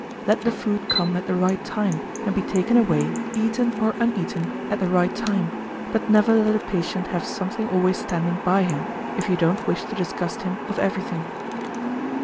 Let the food come at the right time, and be taken away, eaten or uneaten, at the right time, but never let a patient have 'something always standing' by him, if you don't wish to disgust him of everything."